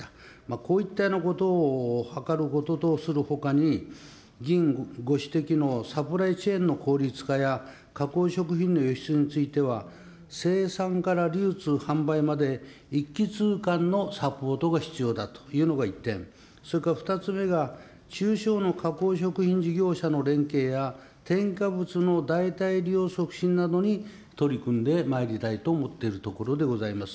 こういったようなことをはかることとするほかに、議員ご指摘のサプライチェーンの効率化や、加工食品の輸出については、生産から流通、販売まで一気通貫のサポートが必要だというのが１点、それから２つ目が、中小の加工食品事業者の連携や、添加物の代替利用促進などに取り組んでまいりたいと思っているところでございます。